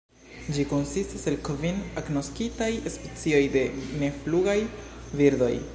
Ĝi konsistas el kvin agnoskitaj specioj de neflugaj birdoj.